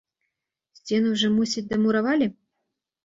Сцены ўжо, мусіць, дамуравалі?